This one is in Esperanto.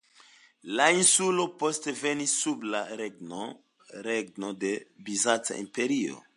La insulo poste venis sub la regon de Bizanca imperio.